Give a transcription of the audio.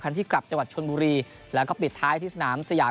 ที่กลับจังหวัดชนบุรีแล้วก็ปิดท้ายที่สนามสยาม